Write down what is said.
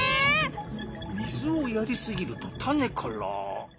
みずをやりすぎるとタネから。